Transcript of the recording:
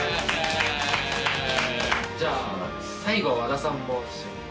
じゃあ最後和田さんも一緒に。